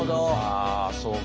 あそうか。